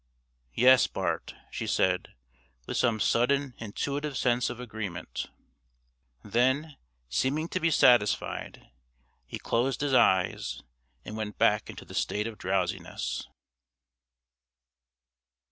"Yes, Bart," she said, with some sudden intuitive sense of agreement. Then, seeming to be satisfied, he closed his eyes and went back into the state of drowsiness.